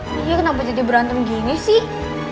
kayaknya kenapa jadi berantem gini sih